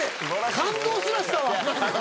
感動すらしたわ！